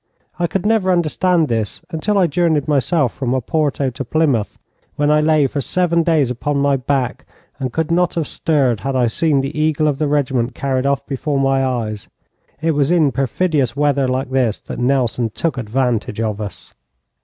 I could never understand this until I journeyed myself from Oporto to Plymouth, when I lay for seven days upon my back, and could not have stirred had I seen the eagle of the regiment carried off before my eyes. It was in perfidious weather like this that Nelson took advantage of us.